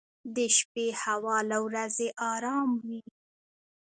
• د شپې هوا له ورځې ارام وي.